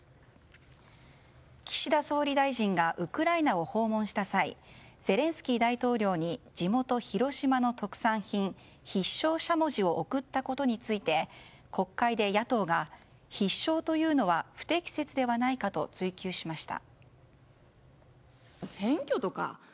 岸田総理大臣がウクライナを訪問した際ゼレンスキー大統領に地元・広島の特産品必勝しゃもじを贈ったことについて国会で野党が必勝というのは不適切ではないかと追及しました。